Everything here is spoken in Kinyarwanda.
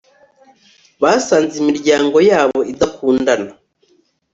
basanze imiryango yabo idakundana